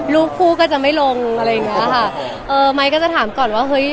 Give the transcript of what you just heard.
รูปคู่ก็จะไม่ลงอะไรอย่างเงี้ยค่ะเออไมค์ก็จะถามก่อนว่าเฮ้ย